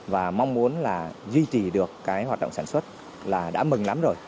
và mong muốn là duy trì được cái hoạt động sản xuất là đã mừng lắm rồi